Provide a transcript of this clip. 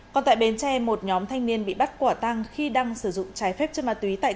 còn tại bến tre một nhóm thanh niên bị bắt quả tăng khi đang sử dụng trái phép chất ma túy tại